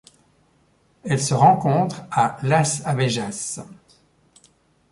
Elle se rencontre à Las Abejas.